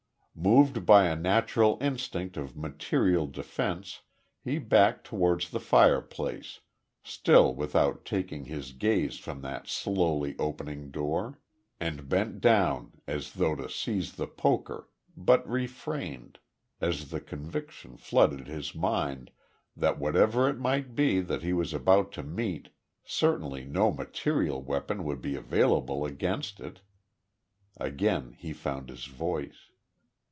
Moved by a natural instinct of material defence, he backed towards the fireplace still without taking his gaze from that slowly opening door and bent down as though to seize the poker, but refrained, as the conviction flooded his mind that whatever it might be that he was about to meet certainly no material weapon would be available against it. Again he found his voice.